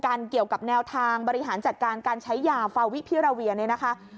เกี่ยวกับแนวทางบริหารจัดการการใช้ยาฟาวิพิราเวียเนี่ยนะคะ